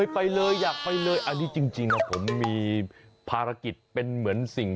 ไปเลยอยากไปเลยอันนี้จริงผมมีภารกิจเป็นเหมือนสิ่ง